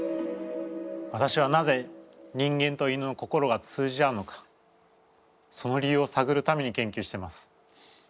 わたしはなぜ人間と犬の心が通じ合うのかその理由をさぐるために研究してます。